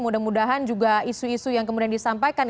mudah mudahan juga isu isu yang kemudian disampaikan